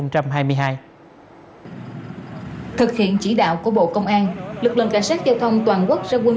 thực hiện chỉ đạo của bộ công an lực lượng cảnh sát giao thông toàn quốc sẽ quân